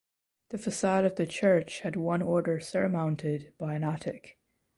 The facade of the church had one order surmounted by an attic.